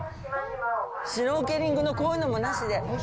シュノーケリングのこういうのもなしで。